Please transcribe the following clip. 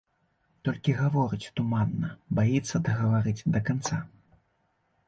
Толькі гаворыць туманна, баіцца дагаварыць да канца.